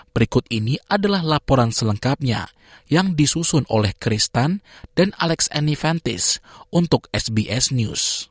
berikut ini adalah laporan selengkapnya yang disusun oleh kristen dan alex annivantis untuk sbs news